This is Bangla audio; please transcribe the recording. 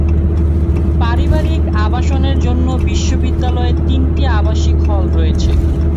পারিবারিক আবাসনের জন্য বিশ্ববিদ্যালয়ে তিনটি আবাসিক হল রয়েছে।